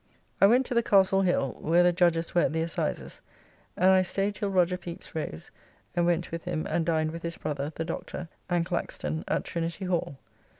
I went to the Castle Hill, where the judges were at the Assizes; and I staid till Roger Pepys rose and went with him, and dined with his brother, the Doctor, and Claxton at Trinity Hall.